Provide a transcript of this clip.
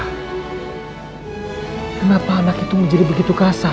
hai kenapa anak itu menjadi begitu kasar